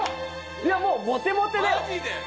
いやもうモテモテだよ。